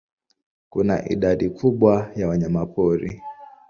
Kuna idadi kubwa ya wanyamapori.